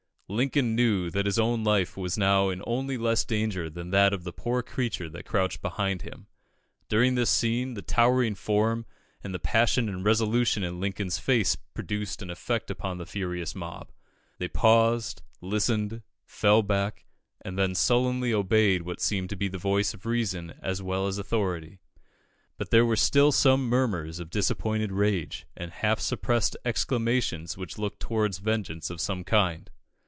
Lincoln knew that his own life was now in only less danger than that of the poor creature that crouched behind him. During this scene, the towering form and the passion and resolution in Lincoln's face produced an effect upon the furious mob. They paused, listened, fell back, and then sullenly obeyed what seemed to be the voice of reason as well as authority. But there were still some murmurs of disappointed rage, and half suppressed exclamations which looked towards vengeance of some kind.